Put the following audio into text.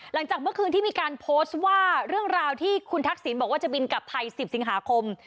หลังจากเมื่อคืนที่มีการโพสต์ว่าเรื่องราวที่คุณทักษิณบอกว่าจะบินกลับไทย๑๐สิงหาคม